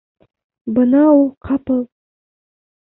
Бына ул ҡапыл: